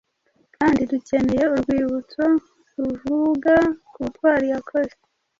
kandi dukeneye urwibutsyo ruvuga kubutwari yakoze .